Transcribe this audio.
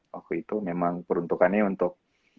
waktu itu memang peruntukannya untuk